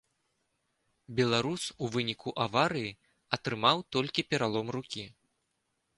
Беларус у выніку аварыі атрымаў толькі пералом рукі.